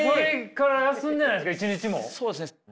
そうですね。